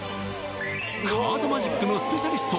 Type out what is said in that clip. カードマジックのスペシャリスト